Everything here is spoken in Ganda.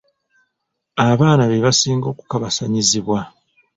Abaana be basinga okukabassanyizibwa.